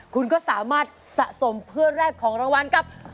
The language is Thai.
คุณก็สามารถสะสมเพื่อนแรกของรางวัลกับ